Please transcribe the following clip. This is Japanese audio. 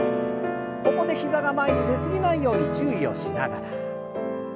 ここで膝が前に出過ぎないように注意をしながら。